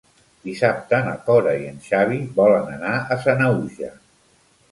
Dissabte na Cora i en Xavi volen anar a Sanaüja.